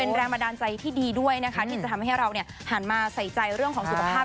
แรงบันดาลใจที่ดีด้วยนะคะที่จะทำให้เราหันมาใส่ใจเรื่องของสุขภาพ